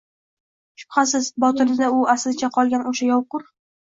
Shubhasiz, botinida u aslicha qolgan — o‘sha yovqur